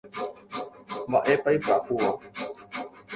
Mba'épa ipyahúva.